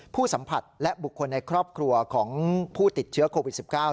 ผู้สัมผัสและบุคคลในครอบครัวของผู้ติดเชื้อโควิด๑๙